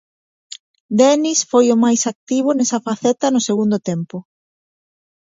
Denis foi o máis activo nesa faceta no segundo tempo.